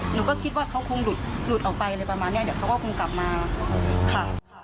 หนูก็คิดว่าเขาคงหลุดออกไปอะไรประมาณนี้เดี๋ยวเขาก็คงกลับมาค่ะ